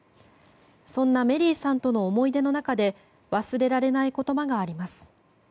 そんなメリーさんとの思い出の中で忘れられない言葉があります。